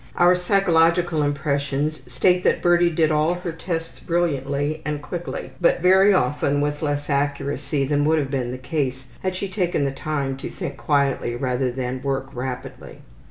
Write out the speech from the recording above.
Our psychological impressions state that Birdie did all her tests brilliantly and quickly, but very often with less accuracy than would have been the case had she taken the time to think quietly rather than work rapidly.